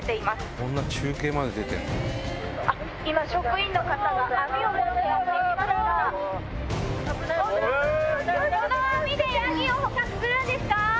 その網でヤギを捕獲するんですか？